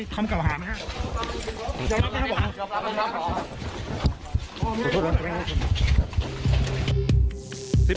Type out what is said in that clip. ครับ